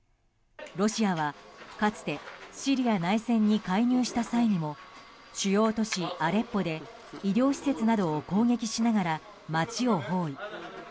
ロシアは、かつてシリア内戦に介入した際にも主要都市アレッポで医療施設などを攻撃しながら街を包囲。